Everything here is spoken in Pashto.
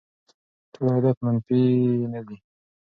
ټول عایدات منفي نه دي.